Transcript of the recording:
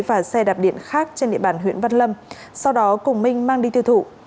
và xe đạp điện khác trên địa bàn huyện văn lâm sau đó cùng minh mang đi tiêu thụ